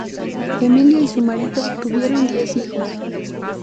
Emilia y su marido tuvieron diez hijos.